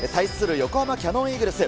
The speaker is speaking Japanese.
横浜キヤノンイーグルス。